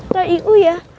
kak ibu ya